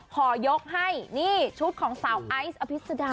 ขอยกให้นี่ชุดของสาวไอซ์อภิษดา